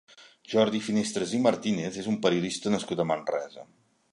Jordi Finestres i Martínez és un periodista nascut a Manresa.